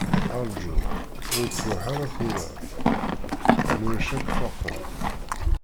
Rju, ur ttruḥ ara tura, ma ulac ad k-faqen.